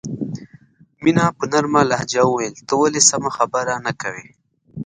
مینه په نرمه لهجه وویل ته ولې سمه خبره نه کوې